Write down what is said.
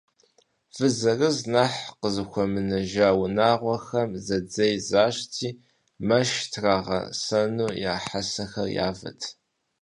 Вы зырыз нэхъ къызыхуэмынэжа унагъуэхэм зэдзей защӏти, мэш зытрасэну я хьэсэхэр явэт.